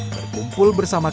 berkumpul bersama tuan